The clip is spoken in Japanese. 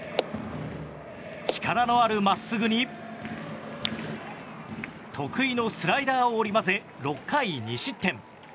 力のあるまっすぐに得意のスライダーを織り交ぜ６回２失点。